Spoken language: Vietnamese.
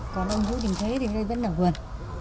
còn ông nhữ đình thế thì đây vẫn là vườn